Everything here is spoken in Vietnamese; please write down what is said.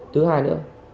thứ hai nữa